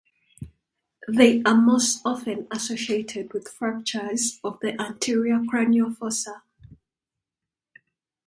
They are most often associated with fractures of the anterior cranial fossa.